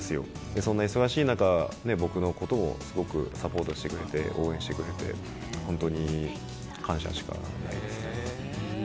そんな忙しい中、僕のことをすごくサポートしてくれて、応援してくれて、本当に感謝しかないです